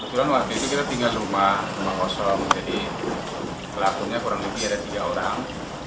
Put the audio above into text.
jadi pelakunya kurang lebih ada tiga orang